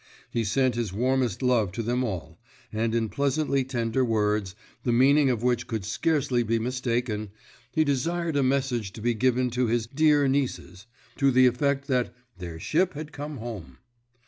He sent his warmest love to them all, and in pleasantly tender words, the meaning of which could scarcely be mistaken, he desired a message to be given to his "dear nieces," to the effect that "their ship had come home."